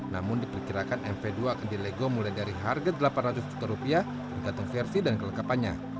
namun diperkirakan mv dua akan dilego mulai dari harga delapan ratus juta rupiah tergantung versi dan kelengkapannya